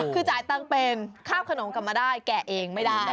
คือจ่ายตังค์เป็นคาบขนมกลับมาได้แกะเองไม่ได้